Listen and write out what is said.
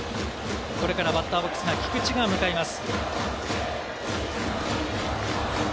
これからバッターボックスに菊池が向かいます。